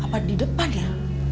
apa di depan ya